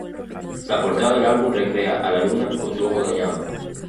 La portada del álbum recrea a la luna con su ojo dañado.